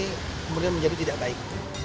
itu juga menjadi tidak baik